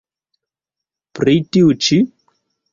Pri tiu ĉi?